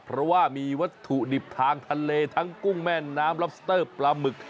เพราะว่ามีวัตถุดิบทางทะเลทั้งกุ้งแม่น้ำล็อบสเตอร์ปลาหมึก